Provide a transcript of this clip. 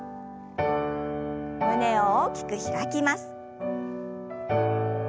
胸を大きく開きます。